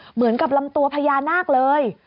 เหมือนกับลำตัวพญานาคเลย